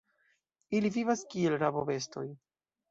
Ili vivas kiel rabobestoj.